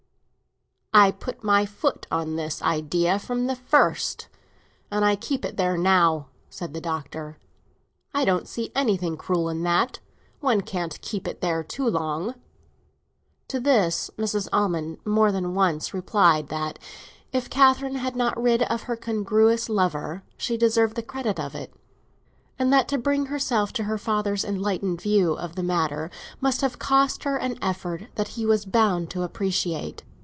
"I put my foot on this idea from the first, and I keep it there now," said the Doctor. "I don't see anything cruel in that; one can't keep it there too long." To this Mrs. Almond more than once replied that if Catherine had got rid of her incongruous lover, she deserved the credit of it, and that to bring herself to her father's enlightened view of the matter must have cost her an effort that he was bound to appreciate.